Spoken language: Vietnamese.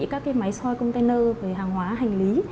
các máy soi container về hàng hóa hành lý